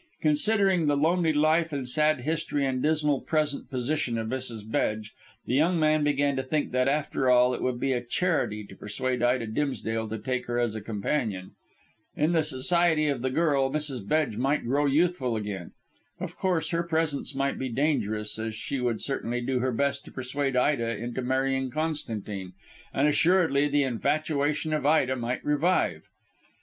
Considering the lonely life and sad history and dismal present position of Mrs. Bedge, the young man began to think that, after all, it would be a charity to persuade Ida Dimsdale to take her as a companion. In the society of the girl Mrs. Bedge might grow youthful again. Of course, her presence might be dangerous, as she would certainly do her best to persuade Ida into marrying Constantine, and assuredly the infatuation of Ida might revive.